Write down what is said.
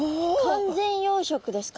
完全養殖ですか？